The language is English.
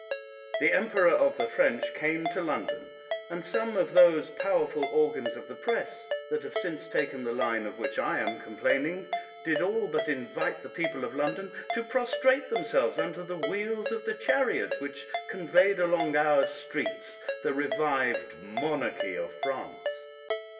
The emperor of the French came to London, and some of those powerful organs of the Press that have since taken the line of which I am complaining, did all but invite the people of London to prostrate themselves under the wheels of the chariot which conveyed along our streets the re\ived monarchy of France.